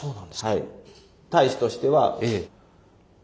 はい。